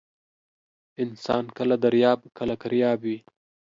انسان کله درياب ، کله کرياب وى.